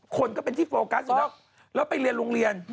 คนก็เป็นที่โฟกัสอยู่แล้วแล้วไปเรียนโรงเรียน